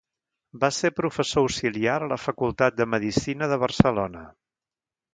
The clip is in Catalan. Va ser professor auxiliar a la Facultat de Medicina de Barcelona.